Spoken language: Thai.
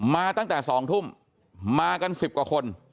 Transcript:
มาตั้งแต่๒ทุ่มมากัน๑๐กว่าคน